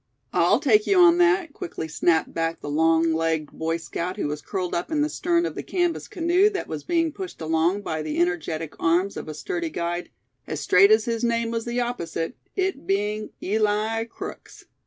"I take you on that," quickly snapped back the long legged Boy Scout who was curled up in the stern of the canvas canoe that was being pushed along by the energetic arms of a sturdy guide, as straight as his name was the opposite, it being Eli Crooks.